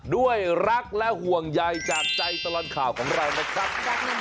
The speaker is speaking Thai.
ด้วยรักและห่วงใยจากใจตลอดข่าวของเรานะครับ